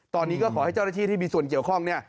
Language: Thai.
ตอนนี้ก็ขอให้เจ้าหน้าที่ที่มีส่วนเกี่ยวข้องเนี่ย